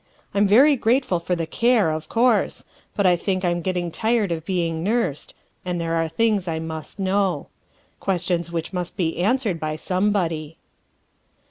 I'm very grateful for the care, of course, but I think I 'm getting tired of being nursed, and there are things I must know questions which must be answered by somebody."